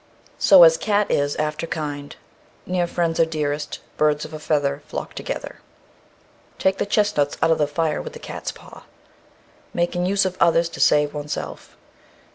So as cat is after kind. Near friends are dearest. Birds of a feather flock together. Take the chestnuts out of the fire with the cat's paw. Making use of others to save oneself.